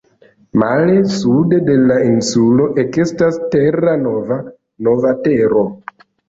Male, sude de la insulo ekestas terra nova, nova tero.